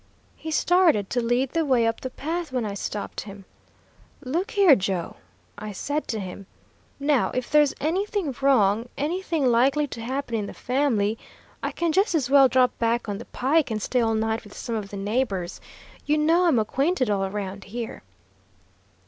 He started to lead the way up the path, when I stopped him. "Look here, Joe," I said to him. "Now, if there's anything wrong, anything likely to happen in the family, I can just as well drop back on the pike and stay all night with some of the neighbors. You know I'm acquainted all around here."